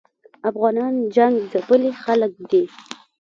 افغانان جنګ ځپلي خلګ دي